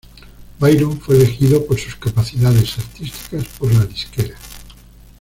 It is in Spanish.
Byron fue elegido por sus capacidades artísticas por la disquera.